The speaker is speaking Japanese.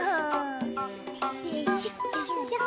よいしょよいしょ。